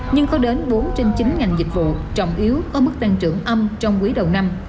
nhưng có đến bốn trên chín ngành dịch vụ trọng yếu có mức tăng trưởng âm trong quý đầu năm